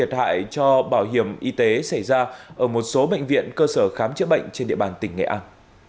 gây thiệt hại cho bảo hiểm y tế xảy ra ở một số bệnh viện cơ sở khám chữa bệnh trên địa bàn tỉnh nghệ an